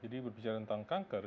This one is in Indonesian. jadi berbicara tentang kanker